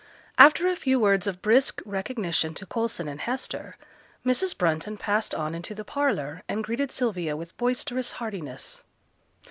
After a few words of brisk recognition to Coulson and Hester, Mrs Brunton passed on into the parlour and greeted Sylvia with boisterous heartiness.